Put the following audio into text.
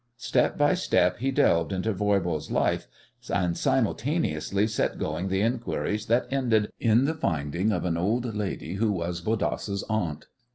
Step by step he delved into Voirbo's life, and simultaneously set going the inquiries that ended in the finding of an old lady who was Bodasse's aunt.